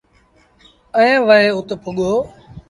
ائيٚݩ وهي اُت پُڳو۔